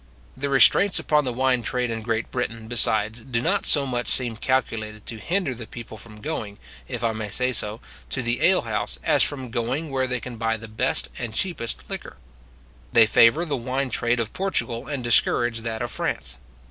The restraints upon the wine trade in Great Britain, besides, do not so much seem calculated to hinder the people from going, if I may say so, to the alehouse, as from going where they can buy the best and cheapest liquor. They favour the wine trade of Portugal, and discourage that of France.